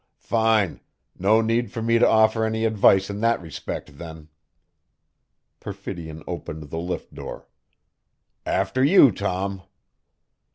"Fine no need for me to offer any advice in that respect then." Perfidion opened the lift door. "After you, Tom."